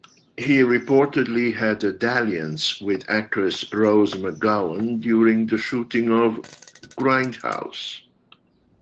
He reportedly had a "dalliance" with actress Rose McGowan during the shooting of "Grindhouse".